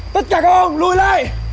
tất cả các ông lùi lại